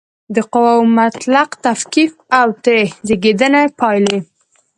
د قواوو مطلق تفکیک او ترې زېږنده پایلې